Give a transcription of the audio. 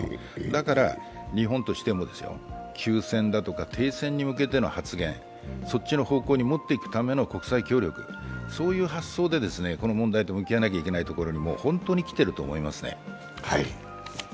だから日本としても休戦とか停戦に対しての発言、そっちの方向に持っていくための国際協力、そういう発想でこの問題と向き合わなければいけないところに本当に来ていると思いますね。